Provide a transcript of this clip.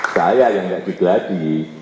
saya yang enggak digeladi